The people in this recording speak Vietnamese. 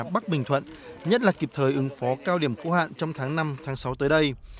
bắc bình thuận nhất là kịp thời ứng phó cao điểm khu hạn trong tháng năm sáu tới đây